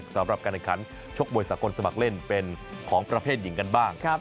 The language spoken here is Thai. สำหรับการทางขันชกบริษักรสมัครเล่นเป็นของประเภทอย่างกันบ้าง